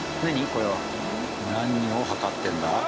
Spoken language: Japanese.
これは。何を測ってるんだ？